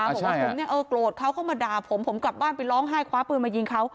บอกว่าผมเนี่ยเออโกรธเขาเข้ามาด่าผมผมกลับบ้านไปร้องไห้คว้าปืนมายิงเขา